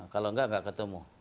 kalau gak gak ketemu